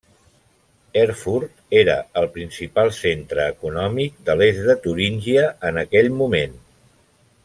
Erfurt era el principal centre econòmic de l'est de Turíngia en aquell moment.